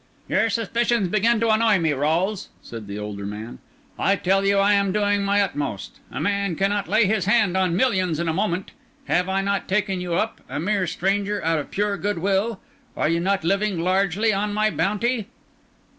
"Your suspicions begin to annoy me, Rolles," said the older man. "I tell you I am doing my utmost; a man cannot lay his hand on millions in a moment. Have I not taken you up, a mere stranger, out of pure good will? Are you not living largely on my bounty?"